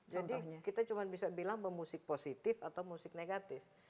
jadi kita cuma bisa bilang musik positif atau musik negatif